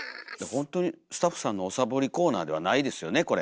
ほんとにスタッフさんのおサボりコーナーではないですよねこれ。